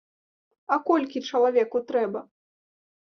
А колькі чалавеку трэба?